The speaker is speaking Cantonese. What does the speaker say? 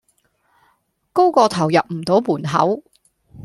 高過頭入唔到門口